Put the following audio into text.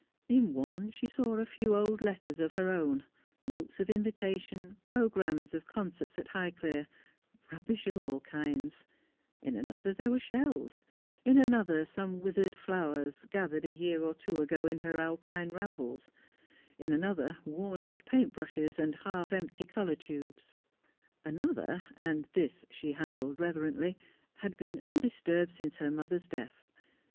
In one she saw a few old letters of her own, notes of invitation, programmes of con certs at Highclere, rubbish of all kinds ; in auother there were shells, in another some withered flowers gathered a year or two On the Wing. 1£3 ago in lier Alpine rambles, in another worn out paint brushes, and half empty colour tubes. Another, and this she handled reverently, had been undisturbed since her mother's death.